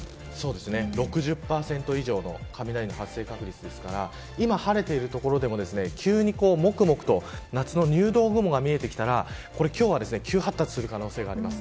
６０％以上の雷の発生確率ですから今晴れている所でも急にもくもくと夏の入道雲が見えてきたら今日は急発達する可能性があります。